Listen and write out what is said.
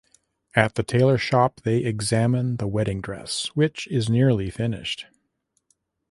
At the tailor shop, they examine the wedding dress, which is nearly finished.